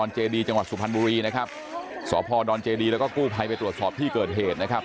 จังหวัดสุพรรณบุรีสดเจดแล้วก็กู้ภัยไปตรวจสอบที่เกิดเหตุนะครับ